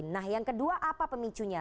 nah yang kedua apa pemicunya